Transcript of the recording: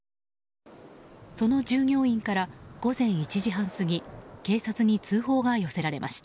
その従業員から午前１時半過ぎ警察に通報が寄せられました。